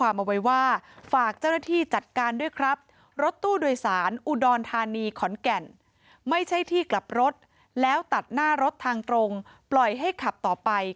ไม่ใช่ที่กลับรถแล้วตัดหน้ารถทางตรงปล่อยให้ขับต่อไป